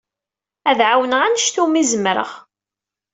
Ad ɛawneɣ anect umi zemreɣ.